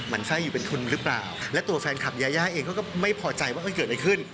มันไส้อยู่เป็นทุนหรือเปล่าและตัวแฟนคลับยายาเองเขาก็ไม่พอใจว่าเกิดอะไรขึ้น